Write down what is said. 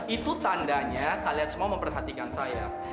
itu tandanya kalian semua memperhatikan saya